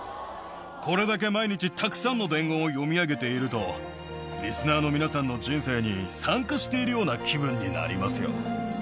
これだけ毎日たくさんの伝言を読み上げていると、リスナーの皆さんの人生に参加しているような気分になりますよ。